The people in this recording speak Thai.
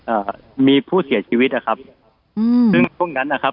อ่ามีผู้เสียชีวิตอ่ะครับอืมซึ่งช่วงนั้นนะครับ